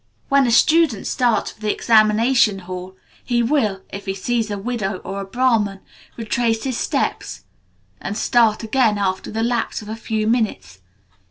When a student starts for the examination hall, he will, if he sees a widow or a Brahman, retrace his steps, and start again after the lapse of a few minutes.